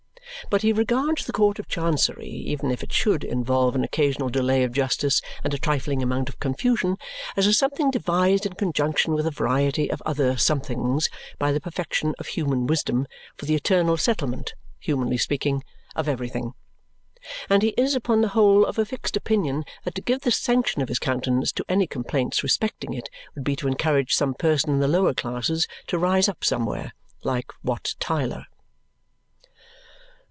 But he regards the Court of Chancery, even if it should involve an occasional delay of justice and a trifling amount of confusion, as a something devised in conjunction with a variety of other somethings by the perfection of human wisdom for the eternal settlement (humanly speaking) of everything. And he is upon the whole of a fixed opinion that to give the sanction of his countenance to any complaints respecting it would be to encourage some person in the lower classes to rise up somewhere like Wat Tyler.